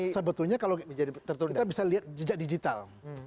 sebetulnya kalau kita bisa lihat jejak digital